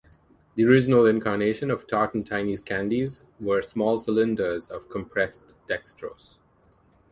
The original incarnation of Tart 'n' Tinys candies were small cylinders of compressed dextrose.